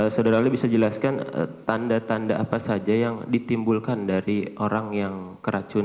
saudara ali bisa jelaskan tanda tanda apa saja yang ditimbulkan dari orang yang keracunan